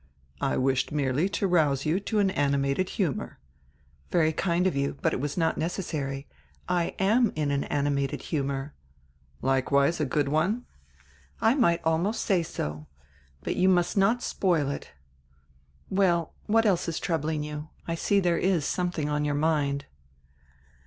"I wished merely to rouse you to an animated humor." "Very kind of you, but it was not necessary. I am in an animated humor." "Likewise a good one?" "I might almost say so. But you must not spoil it — Well, what else is troubling you! I see diere is something on your mind."